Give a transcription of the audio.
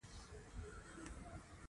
افغانستان د چرګان په اړه علمي څېړنې لري.